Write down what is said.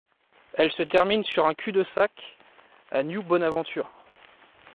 Elle se termine sur un cul-de-sac, à New Bonaventure.